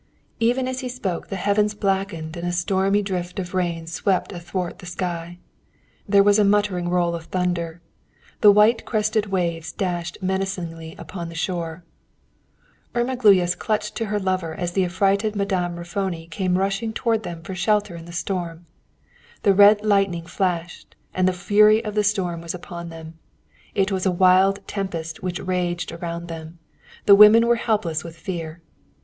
Even as he spoke, the heavens blackened and a stormy drift of rain swept athwart the sky. There was a muttering roll of thunder. The white crested waves dashed menacingly upon the shore! Irma Gluyas clung to her lover as the affrighted Madame Raffoni came rushing toward them for shelter in the storm. The red lightning flashed, and the fury of the storm was upon them. It was a wild tempest which raged around them. The women were helpless with fear.